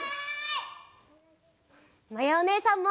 まやおねえさんも。